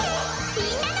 みんなの！